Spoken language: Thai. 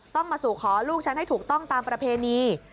ต้องมาสู่ขอลูกฉันให้ถูกต้องตามประเพณี